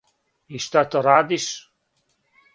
И шта то радиш?